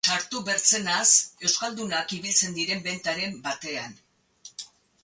Sartu bertzenaz euskaldunak ibiltzen diren bentaren batean...